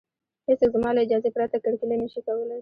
هېڅوک زما له اجازې پرته کرکیله نشي کولی